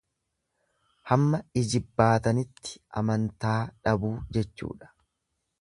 Hamma ijibbaatanitti amantaa dhabuu jechuudha.